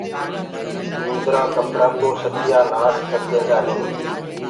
اُندرآ ڪپڙآ ڪو ستيآ نآس ڪرديندآ هينٚ۔